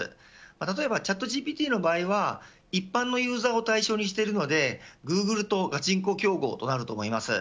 例えばチャットＧＰＴの場合は一般のユーザーを対象にしているのでグーグルとがちんこ競合となると思います。